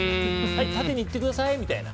縦に行ってくださいって。